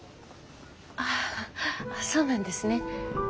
あぁそうなんですね。